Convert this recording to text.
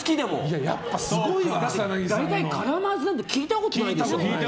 大体、カラマーズなんて聞いたことないでしょ。